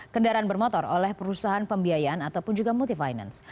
kendaraan bermotor oleh perusahaan pembiayaan ataupun juga multi finance